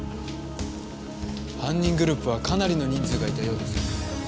犯人グループはかなりの人数がいたようですね。